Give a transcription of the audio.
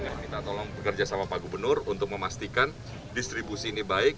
kita tolong bekerja sama pak gubernur untuk memastikan distribusi ini baik